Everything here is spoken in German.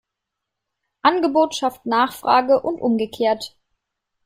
Angebot schafft Nachfrage und umgekehrt.